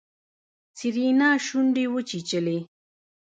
سېرېنا شونډې وچيچلې.